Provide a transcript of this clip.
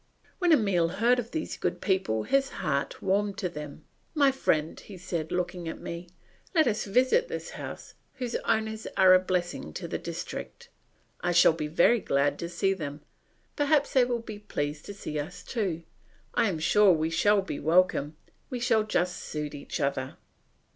When Emile heard of these good people his heart warmed to them. "My friend," said he, looking at me, "let us visit this house, whose owners are a blessing to the district; I shall be very glad to see them; perhaps they will be pleased to see us too; I am sure we shall be welcome; we shall just suit each other."